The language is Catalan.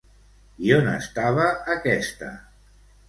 I on estava aquesta?